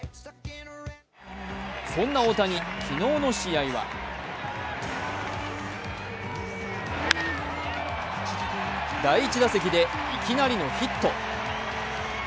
そんな大谷、昨日の試合は第１打席でいきなりのヒット。